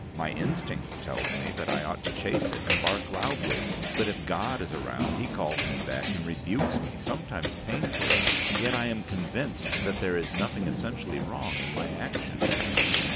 My instinct tells me that I ought to chase it and bark loudly. But if God is around He calls me back and rebukes me, sometimes painfully. Yet I am convinced that there is nothing essentially wrong in my action.